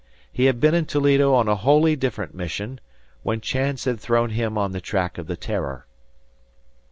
He had been in Toledo on a wholly different mission, when chance had thrown him on the track of the "Terror."